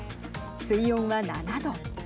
水温は７度。